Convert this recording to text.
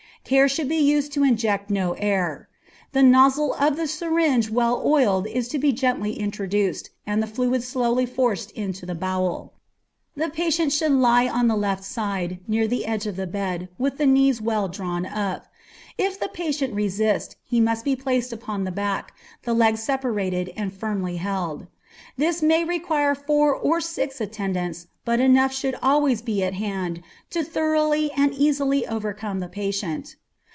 Care should be used to inject no air. The nozzle of the syringe well oiled is to be gently introduced, and the fluid slowly forced into the bowel. The patient should lie on the left side, near the edge of the bed, with the knees well drawn up. If the patient resist, he must be placed upon the back, the legs separated and firmly held. This may require four or six attendants, but enough should always be at hand to thoroughly and easily overcome the patient.